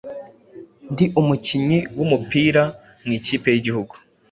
Ndi umukinnyi w’umupira mwikipe y,igihugu